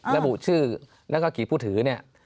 และบูชื่อและการกรีดผู้ถือเนี่ย